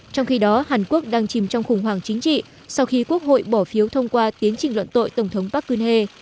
trong khi đó hàn quốc đang chìm trong khủng hoảng chính trị sau khi quốc hội bỏ phiếu thông qua tiến trình luận tội tổng thống park geun hye